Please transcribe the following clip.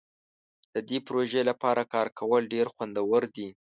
د دې پروژې لپاره کار کول ډیر خوندور دي.